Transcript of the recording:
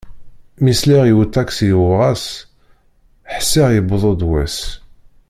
Mi sliɣ i uṭaksi yuɣwas, ḥṣiɣ yewweḍ-d wass.